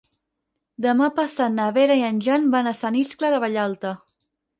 Demà passat na Vera i en Jan van a Sant Iscle de Vallalta.